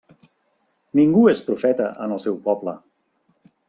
Ningú és profeta en el seu poble.